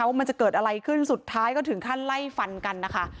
ว่ามันจะเกิดอะไรขึ้นสุดท้ายก็ถึงขั้นไล่ฟันกันนะคะ